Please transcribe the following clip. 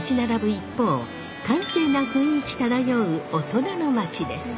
一方閑静な雰囲気漂う大人の街です。